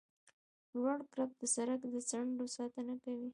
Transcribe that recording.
لوړ کرب د سرک د څنډو ساتنه کوي